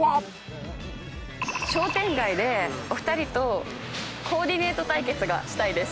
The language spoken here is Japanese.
商店街でお二人とコーディネート対決がしたいです。